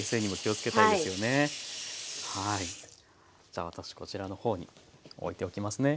じゃ私こちらの方に置いておきますね。